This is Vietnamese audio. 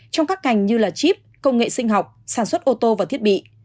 trong các ngành như chip công nghệ sinh học sản xuất ô tô và thiết bị